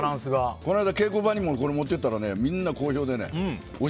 この間、稽古場にも持って行ったら好評でね。